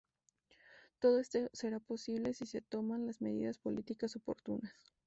Todo esto será posible si se toman las medidas políticas oportunas.